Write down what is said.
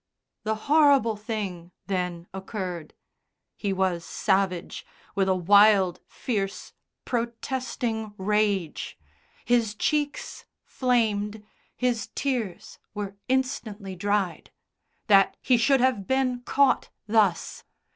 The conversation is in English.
The horrible thing then occurred. He was savage, with a wild, fierce, protesting rage. His cheeks flamed. His tears were instantly dried. That he should have been caught thus!